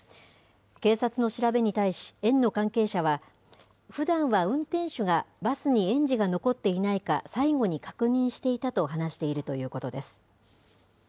警察の調べに対し、園の関係者は、ふだんは運転手がバスに園児が残っていないか、最後に確認していたと話しているということです。